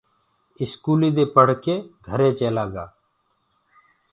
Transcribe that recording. اسڪولي مي پڙهدي پڙهدي گھري چيلآ گوآ